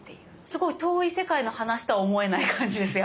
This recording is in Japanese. すごい遠い世界の話とは思えない感じです。